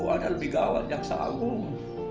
ada lebih gawat jaksa agung